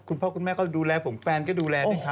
คุณพ่อคุณแม่ก็ดูแลผมแฟนก็ดูแลด้วยครับ